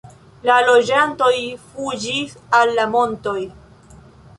La loĝantoj fuĝis al la montoj.